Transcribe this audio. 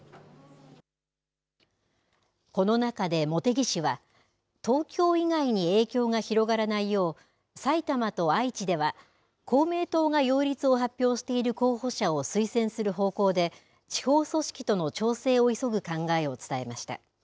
この中で茂木氏は、東京以外に影響が広がらないよう、埼玉と愛知では、公明党が擁立を発表している候補者を推薦する方向で、地方組織との調整を急ぐ考えを伝えました。